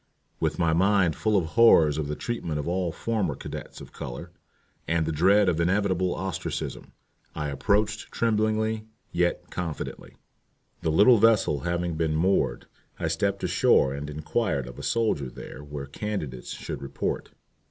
With my mind full of the horrors of the treatment of all former cadets of color, and the dread of inevitable ostracism, I approached tremblingly yet confidently. The little vessel having been moored, I stepped ashore and inquired of a soldier there where candidates should report.